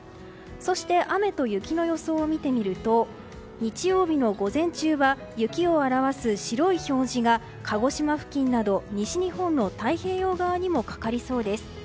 雨と雪の予想を見てみると日曜日の午前中は雪を表す白い表示が鹿児島付近など、西日本の太平洋側にもかかりそうです。